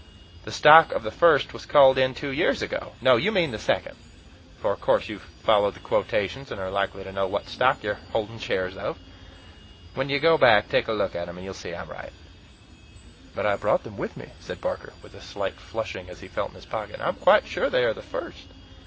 The stock of the 'First' was called in two years ago. No! You mean the 'Second,' for, of course, you've followed the quotations, and are likely to know what stock you're holding shares of. When you go back, take a look at them, and you'll see I am right." "But I brought them with me," said Barker, with a slight flushing as he felt in his pocket, "and I am quite sure they are the 'First'."